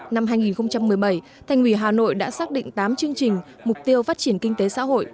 năm hai nghìn một mươi bảy thành ủy hà nội đã xác định tám chương trình mục tiêu phát triển kinh tế xã hội